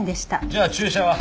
じゃあ注射は？